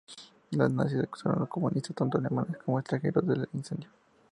Los nazis acusaron a los comunistas, tanto alemanes como extranjeros, del incendio.